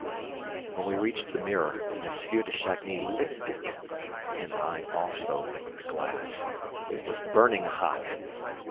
When we reached the mirror, M. de Chagny licked it ... and I also licked the glass. It was burning hot!